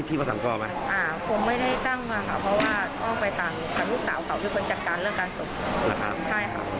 ผมไม่ได้ตั้งนะครับเพราะว่าก็ไปตามลูกสาวเขาที่เคยจัดการเรื่องการศพ